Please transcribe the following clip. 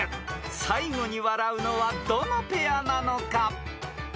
［最後に笑うのはどのペアなのか］